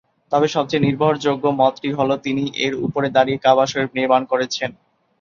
তবে সবচেয়ে নির্ভরযোগ্য মতটি হল, তিনি এর উপরে দাঁড়িয়ে কাবা শরিফ নির্মাণ করেছেন।